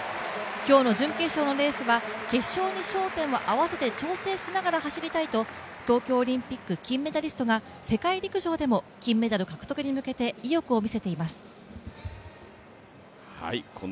今日の準決勝のレースは決勝に焦点を合わせて調整しながら走りたいと東京オリンピック金メダリストが世界陸上でも金メダル獲得に向けて意欲をみせています。